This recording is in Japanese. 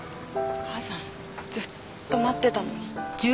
母さんずっと待ってたのに！